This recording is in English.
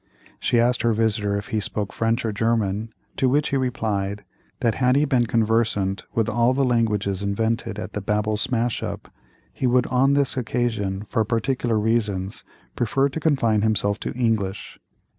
She asked her visitor if he spoke French or German, to which he replied that, had he been conversant with all the languages invented at the Babel smash up, he would on this occasion, for particular reasons, prefer to confine himself to English.